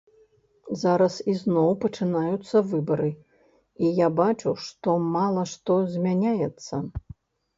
Зараз ізноў пачынаюцца выбары, і я бачу, што мала што змяняецца.